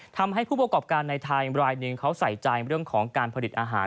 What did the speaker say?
ทำให้ผู้ประกอบการในไทยรายหนึ่งเขาใส่ใจเรื่องของการผลิตอาหาร